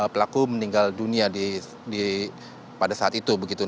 pelaku meninggal dunia pada saat itu